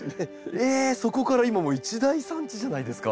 えっそこから今もう一大産地じゃないですか。